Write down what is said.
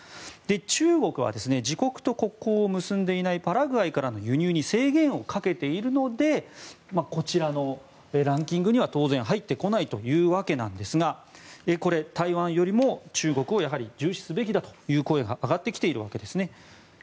中国は自国と国交を結んでいないパラグアイからの輸入に制限をかけているのでこちらのランキングには当然入ってこないんですがこれ、台湾よりも中国を重視すべきだという声が上がってきているわけです。